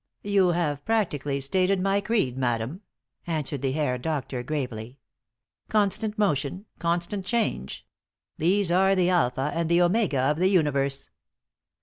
"You have practically stated my creed, madame," answered the Herr Doctor, gravely. "Constant motion, constant change these are the alpha and the omega of the universe.